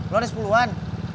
lu ada sepuluhan